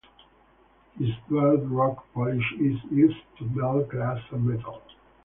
His dwarf rock polish is used to melt glass and metal.